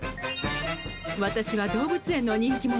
私は動物園の人気者。